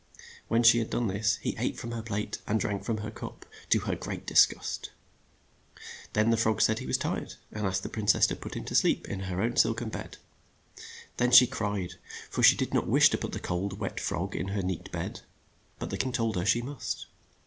When she had done this, he ate from her plate, and drank out of her cup, to her great dis gust. Then the frog said he was tired, and asked the prin cess to put him to sleep in her own silk en bed. Then she cried, for she did not wish to put the cold, wet frog in her neat bed. But the king told her she must.